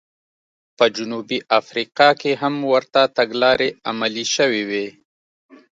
په جنوبي افریقا کې هم ورته تګلارې عملي شوې وې.